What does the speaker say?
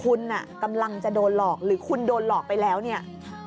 คุณกำลังจะโดนหลอกหรือคุณโดนหลอกไปแล้วเนี่ย